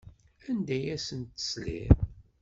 Anda ay asent-tesliḍ?